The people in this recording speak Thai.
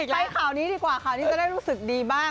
ไปข่าวนี้ดีกว่าข่าวนี้จะได้รู้สึกดีบ้าง